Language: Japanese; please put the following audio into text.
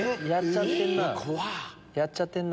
やっちゃってんな。